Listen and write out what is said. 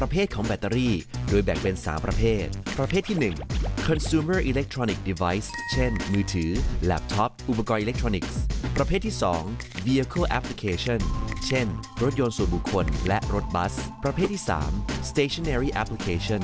โปรดติดตามตอนต่อไป